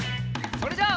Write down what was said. それじゃあ。